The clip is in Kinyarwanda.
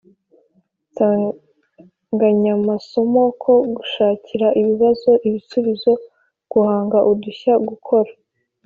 nsanganyamasomo nko gushakira ibibazo ibisubizo, guhanga udushya, gukora